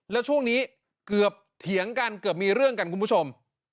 แล้วช่วงนี้เกือบเถียงกันเกือบมีเรื่องกันคุณผู้ชม